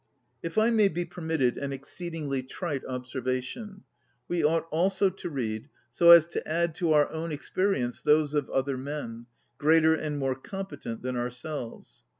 If I may be permitted an exceed ingly trite observation, we ought also to read so as to add to our own ex perience those of other men, greater and more competent than ourselves.